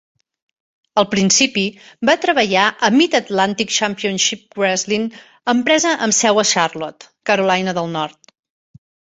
Al principi va treballar a Mid Atlantic Championship Wrestling, empresa amb seu a Charlotte, Carolina del Nord.